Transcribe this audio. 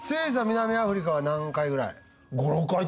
南アフリカは何回ぐらい？